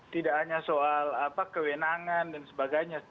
tidak hanya soal kewenangan dan sebagainya